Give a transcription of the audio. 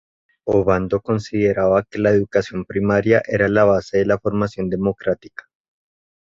Obando consideraba que la educación primaria era la base de la formación democrática.